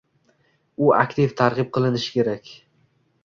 U aktiv targʻib qilinishi kerak.